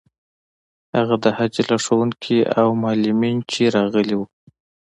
هغه د حج لارښوونکي او معلمین چې راغلي وو.